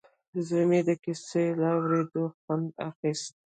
زوی مې د کیسو له اورېدو خوند اخیست